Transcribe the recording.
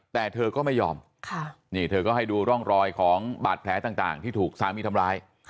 แต่เธอก็ไม่ยอมนี่เธอก็ให้ดูร่องรอยของบาดแผลต่างที่ถูกสามีทำร้าย